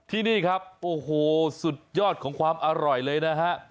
ที่นี่ครับโอ้โหสุดยอดของความอร่อยเลยนะฮะ